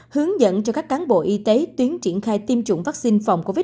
hướng dẫn cho các cán bộ y tế tuyến triển khai tiêm chủng vaccine phòng covid một mươi